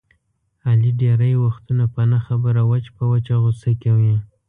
علي ډېری وختونه په نه خبره وچ په وچه غوسه کوي.